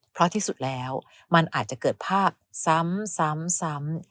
เพราะที่สุดแล้วมันอาจจะเกิดภาพซ้ำ